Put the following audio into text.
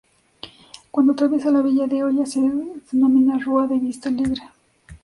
Cuando atraviesa la villa de Oya se denomina Rúa de Vista Alegre.